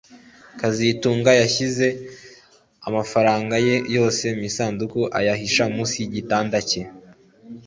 kazitunga yashyize amafaranga ye yose mu isanduku ayihisha munsi yigitanda cye